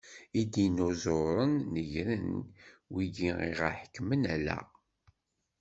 Idinuzuren negren wigi i aɣ-iḥekmen ala.